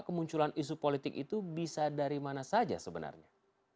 kemunculan isu politik itu bisa dari mana saja sebenarnya